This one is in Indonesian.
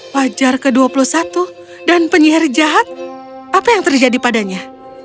fajar ke dua puluh satu dan penyihir jahat apa yang terjadi padanya